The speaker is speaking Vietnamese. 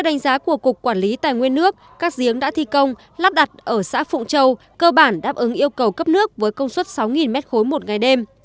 quản lý về bưu chính viễn thông đã thi công lắp đặt ở xã phụng châu cơ bản đáp ứng yêu cầu cấp nước với công suất sáu m ba một ngày đêm